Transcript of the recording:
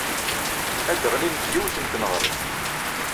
Ad d-ɣlin deg yiwet n tneɣrit.